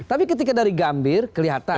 tapi ketika dari gambir kelihatan